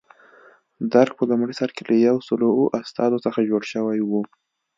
درګ په لومړي سر کې له یو سل اوه استازو څخه جوړ شوی و.